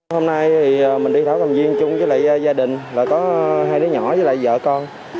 hôm nay thì mình đi thảo cầm viên chung với lại gia đình và có hai đứa nhỏ với lại vợ con